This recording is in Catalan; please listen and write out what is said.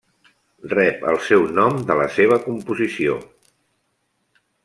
Rep el seu nom de la seva composició.